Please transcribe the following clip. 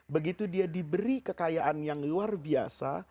begitu dia diberi kekayaan yang luar biasa